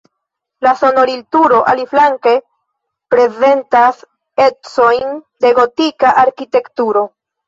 La sonorilturo, aliflanke, prezentas ecojn de gotika arkitekturo.